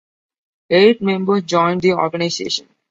Eight members joined the organization.